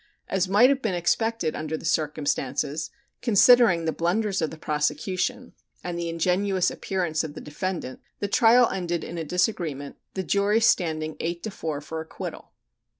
As might have been expected under the circumstances, considering the blunders of the prosecution and the ingenuous appearance of the defendant, the trial ended in a disagreement, the jury standing eight to four for acquittal.